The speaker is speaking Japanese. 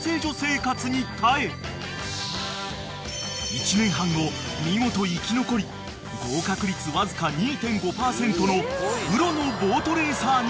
［１年半後見事生き残り合格率わずか２．５％のプロのボートレーサーになった］